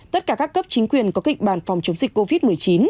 tất cả các cấp chính quyền có kịch bản phòng chống dịch covid một mươi chín